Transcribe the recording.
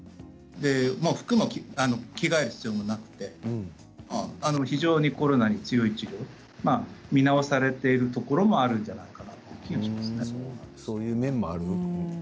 服も着替える必要もなくて非常にコロナに強い治療見直されているところもあるんじゃないかなという気がしますね。